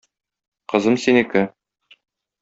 Кызым синеке.